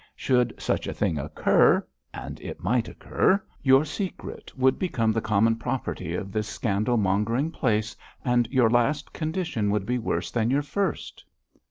Should such a thing occur and it might occur your secret would become the common property of this scandalmongering place, and your last condition would be worse than your first.